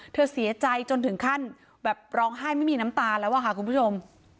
เธอเสียใจจนถึงขั้นแบบร้องไห้ไม่มีน้ำตาแล้วอะค่ะคุณผู้ชม